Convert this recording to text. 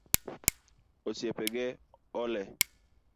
Osiepe ge ole